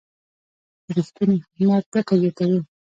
رښتینی خدمت ګټه زیاتوي.